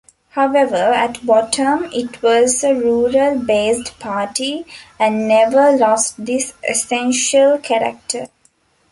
However, at bottom, it was a rural-based party, and never lost this essential character.